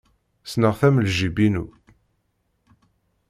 Ssneɣ-t am ljib-inu.